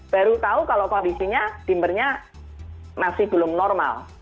baru tahu kalau kondisinya dimbernya masih belum normal